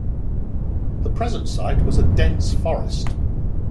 The present site was a dense forest.